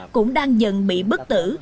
cũng đang dần bị bức tử